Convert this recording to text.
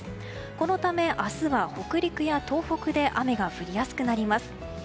このため、明日は北陸や東北で雨が降りやすくなります。